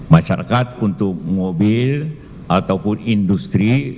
masyarakat untuk mobil ataupun industri